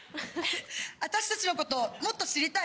私たちのこともっと知りたい？